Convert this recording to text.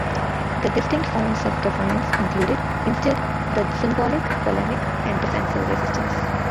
The distinct forms of defiance included instead the symbolic, polemic and defensive resistance.